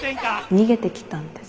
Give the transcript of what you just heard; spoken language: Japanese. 逃げてきたんです。